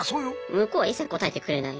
向こうは一切応えてくれない。